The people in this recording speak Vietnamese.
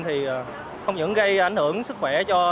thì không những gây ảnh hưởng sức khỏe cho bản thân của tài xế